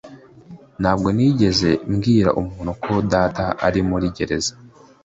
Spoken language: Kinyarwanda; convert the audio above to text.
Ntabwo nigeze mbwira umuntu ko data ari muri gereza.